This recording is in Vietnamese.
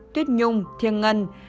tuyết nhung thiên ngân